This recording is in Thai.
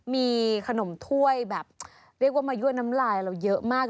มีขนมถ้วยแบบเรียกว่ามายั่วน้ำลายเราเยอะมาก